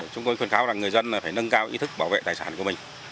chúng tôi khuyên kháo rằng người dân phải nâng cao ý thức bảo vệ tài sản của mình